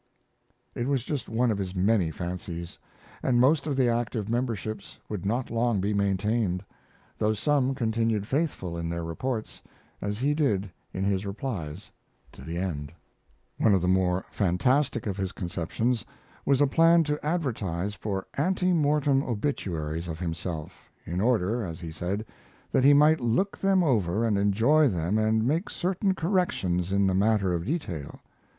It was just one of his many fancies, and most of the active memberships would not long be maintained; though some continued faithful in their reports, as he did in his replies, to the end. One of the more fantastic of his conceptions was a plan to advertise for ante mortem obituaries of himself in order, as he said, that he might look them over and enjoy them and make certain corrections in the matter of detail.